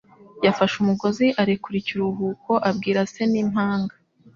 Yafashe umugozi arekura ikiruhuko, abwira se n'impanga.